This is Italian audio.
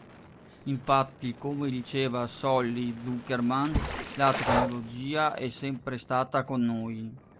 Infatti come diceva Solly Zuckerman “la tecnologia è sempre stata con noi.